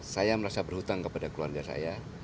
saya merasa berhutang kepada keluarga saya